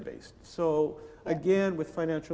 jadi sekali lagi dengan inklusi finansial